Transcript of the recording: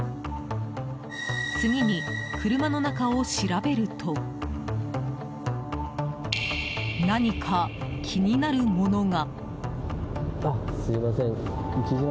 次に車の中を調べると何か気になるものが。